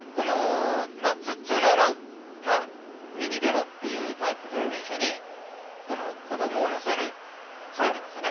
通常のミニベロってタイプの自転車に子供を乗せるのを付けてますよね。